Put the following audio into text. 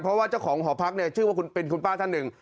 เพราะว่าเจ้าของหอพักเนี่ยชื่อว่าคุณเป็นคุณป้าท่านหนึ่ง